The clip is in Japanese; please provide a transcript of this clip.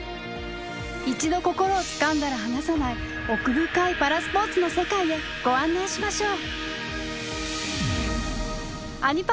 一度心をつかんだら離さない奥深いパラスポーツの世界へご案内しましょう。